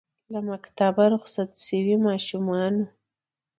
له مکتبه رخصت سویو ماشومانو